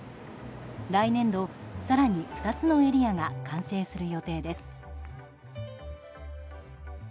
来年度、更に２つのエリアが完成する予定です。